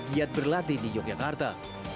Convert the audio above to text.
giat berlatih di yogyakarta